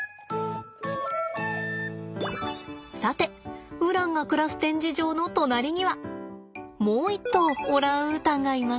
さてウランが暮らす展示場の隣にはもう一頭オランウータンがいます。